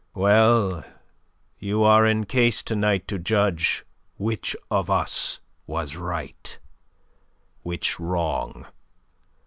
Well, you are in case to night to judge which of us was right, which wrong.